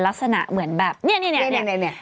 ลักษณะเหมือนแบบเนี่ย